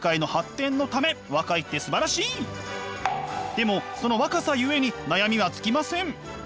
でもその若さゆえに悩みは尽きません。